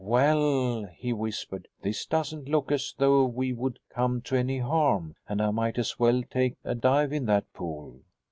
"Well," he whispered, "this doesn't look as though we would come to any harm. And I might as well take a dive in that pool."